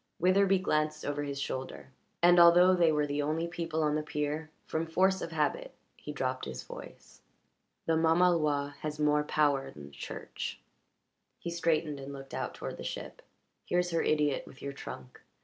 Witherbee glanced over his shoulder, and, although they were the only people on the pier, from force of habit he dropped his voice. "The mamaloi has more power than the Church." He straightened and looked out toward the ship. "Here's her idiot with your trunk.